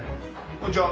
こんにちは。